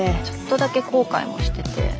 ちょっとだけ後悔もしてて。